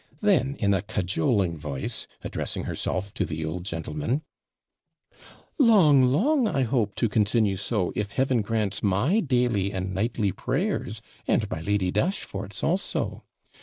Then, in a cajoling voice, addressing herself to the old gentleman 'Long, long, I hope, to continue so, if Heaven grants my daily and nightly prayers, and my Lady Dashfort's also.